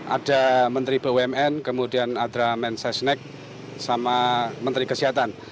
ada menteri bumn kemudian ada mensesnek sama menteri kesehatan